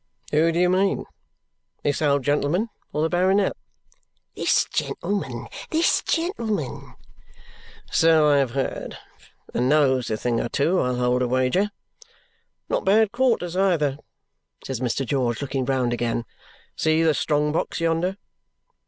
"Who do you mean? This old gentleman, or the Baronet?" "This gentleman, this gentleman." "So I have heard; and knows a thing or two, I'll hold a wager. Not bad quarters, either," says Mr. George, looking round again. "See the strong box yonder!"